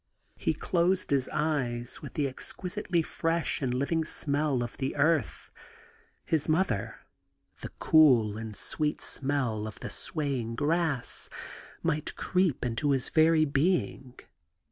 He closed his eyes that the exquisitely fresh and living smell of the earth, his mother, the cool sweet green smell of the swaying grass, might creep into his very being.